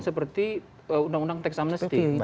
seperti undang undang tax amnesty